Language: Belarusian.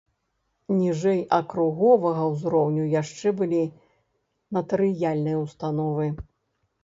Ніжэй акруговага ўзроўню яшчэ былі натарыяльныя ўстановы.